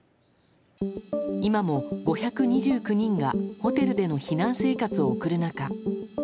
今も５２９人がホテルでの避難生活を送る中